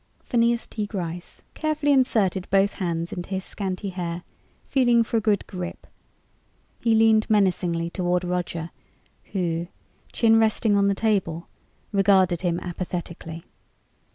Phineas T. Gryce carefully inserted both hands into his scanty hair, feeling for a good grip. He leaned menacingly toward Roger who, chin resting on the table, regarded him apathetically.